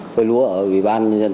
khơi lúa ở vị ban